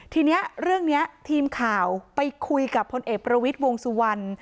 ทีนี้เรื่องนี้ทีมข่าวไปคุยกับพลเอกประวิทย์วงสุวรรณ